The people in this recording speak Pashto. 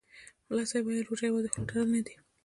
ملا صاحب ویل: روژه یوازې خوله تړل نه دي.